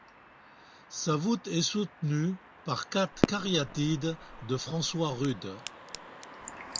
Sa voûte est soutenue par quatre cariatides de François Rude.